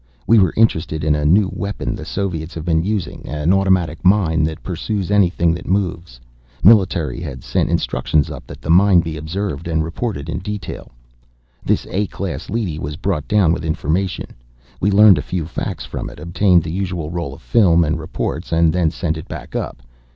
We were interested in a new weapon the Soviets have been using, an automatic mine that pursues anything that moves. Military had sent instructions up that the mine be observed and reported in detail. "This A class leady was brought down with information. We learned a few facts from it, obtained the usual roll of film and reports, and then sent it back up.